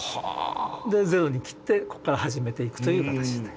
でゼロにきってここから始めていくという形になりますね。